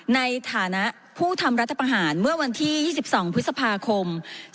ในฐานะผู้ทำรัฐประหารเมื่อวันที่๒๒พฤษภาคม๒๕๖